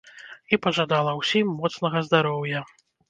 І пажадала ўсім моцнага здароўя.